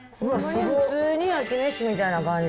普通に焼き飯みたいな感じ。